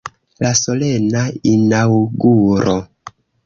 La solena inaŭguro.